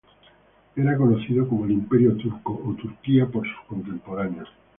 Era conocido como el Imperio turco o Turquía por sus contemporáneos.